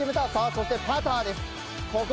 そしてパターです。